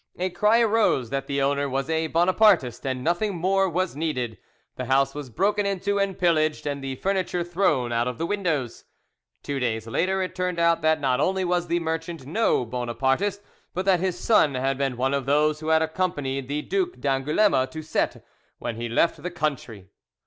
A cry arose that the owner was a Bonapartist, and nothing more was needed. The house was broken into and pillaged, and the furniture thrown out of the windows. Two days later it turned out that not only was the merchant no Bonapartist, but that his son had been one of those who had accompanied the Duc d'Angouleme to Cette when he left the country.